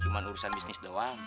terusan bisnis doang